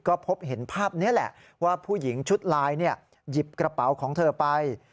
ก็พบเห็นภาพนี้แหละว่าผู้หญิงชุดลายหยิบกระเป๋าของเธอไป